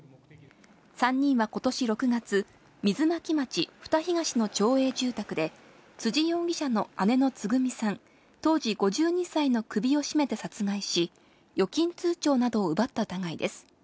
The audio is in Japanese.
３人はことし６月、水巻町二東の町営住宅で、辻容疑者の姉のつぐみさん、当時５２歳の首を絞めて殺害し、預金通帳などを奪った疑いです。